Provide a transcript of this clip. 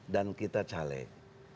dan kita caleg